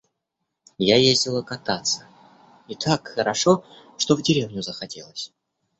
Я ездила кататься, и так хорошо, что в деревню захотелось.